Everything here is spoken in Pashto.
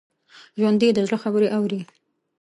ژوندي د زړه خبرې اوري